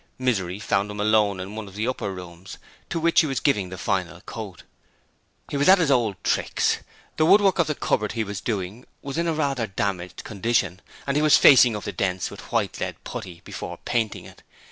Misery found him alone in one of the upper rooms, to which he was giving the final coat. He was at his old tricks. The woodwork of the cupboard be was doing was in a rather damaged condition, and he was facing up the dents with white lead putty before painting it.